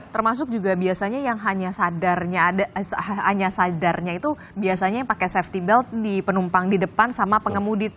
termasuk juga biasanya yang hanya sadarnya itu biasanya yang pakai safety belt di penumpang di depan sama pengemudi